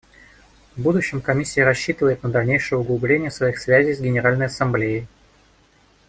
В будущем Комиссия рассчитывает на дальнейшее углубление своих связей с Генеральной Ассамблеей.